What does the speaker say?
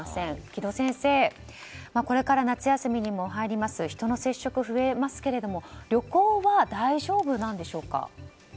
城戸先生、これから夏休みに入り人の接触も増えますが旅行は大丈夫なんでしょうか？